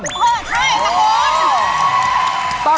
ใช่ตะโกน